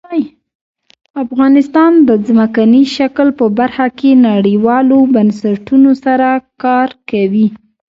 افغانستان د ځمکنی شکل په برخه کې نړیوالو بنسټونو سره کار کوي.